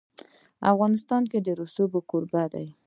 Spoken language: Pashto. افغانستان د رسوب کوربه دی.